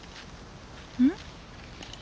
うん？